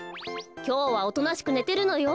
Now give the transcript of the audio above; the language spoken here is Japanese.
きょうはおとなしくねてるのよ。